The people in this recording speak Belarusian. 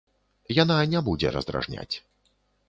Яна не будзе раздражняць.